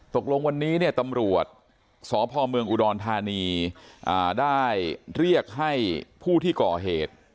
ตกลงวันนี้เนี่ยตำรวจสพเมืองอุดรธานีได้เรียกให้ผู้ที่ก่อเหตุ